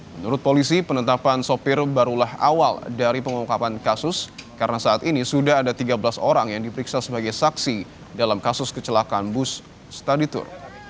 menurut polisi penetapan sopir barulah awal dari pengungkapan kasus karena saat ini sudah ada tiga belas orang yang diperiksa sebagai saksi dalam kasus kecelakaan bus study tour